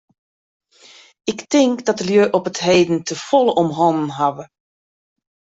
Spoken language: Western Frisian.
Ik tink dat de lju op 't heden te folle om hannen hawwe.